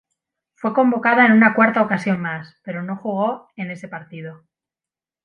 Fue convocada en una cuarta ocasión más, pero no jugó en ese partido.